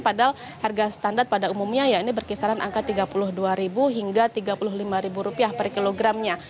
padahal harga standar pada umumnya ya ini berkisaran angka rp tiga puluh dua hingga rp tiga puluh lima per kilogramnya